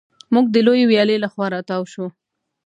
موږ د لویې ویالې له خوا را تاو شوو.